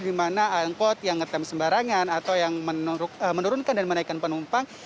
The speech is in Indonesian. di mana angkot yang ngetem sembarangan atau yang menurunkan dan menaikkan penumpang